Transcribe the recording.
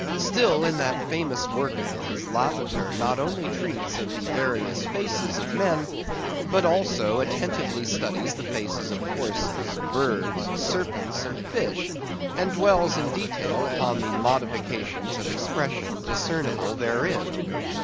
Still, in that famous work of his, Lavater not only treats of the various faces of men, but also attentively studies the faces of horses, birds, serpents, and fish; and dwells in detail upon the modifications of expression discernible therein.